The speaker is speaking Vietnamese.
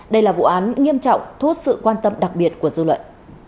đây là vụ án nghiêm trọng thuốt sự quan tâm đặc biệt của dư luận